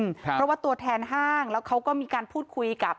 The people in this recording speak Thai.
เพราะว่าตัวแทนห้างแล้วเขาก็มีการพูดคุยกับ